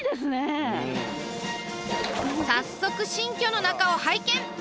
早速新居の中を拝見！